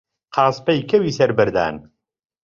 قاسپەی کەوی سەر بەردان